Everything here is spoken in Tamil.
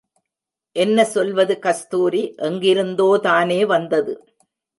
என்ன சொல்வது கஸ்தூரி எங்கிருந்தோதானே வந்தது.